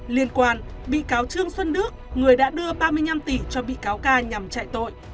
liên quan bị cáo trương xuân đức người đã đưa ba mươi năm tỷ cho bị cáo ca nhằm chạy tội